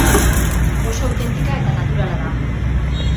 Oso autentika eta naturala da.